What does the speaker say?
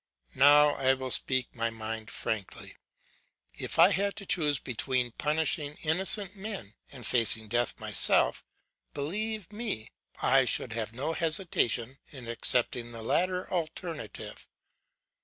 'Now I will speak my mind frankly. If I had to choose between punishing innocent men, and facing death myself, believe me, I should have no hesitation in accepting the latter alternative.